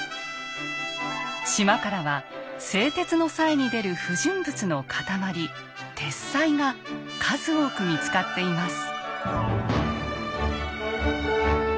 島からは製鉄の際に出る不純物の固まり鉄滓が数多く見つかっています。